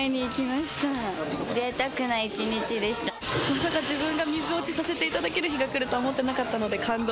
まさか自分が水落ちさせていただける日が来るとは思ってなかったので感動です。